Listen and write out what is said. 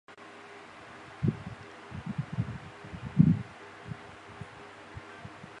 源成农场制糖所是一座曾存在于台湾彰化县二林镇的制糖工厂。